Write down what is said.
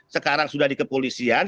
sekarang sudah di kepolisian